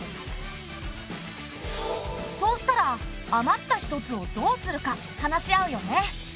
そうしたら余った１つをどうするか話し合うよね。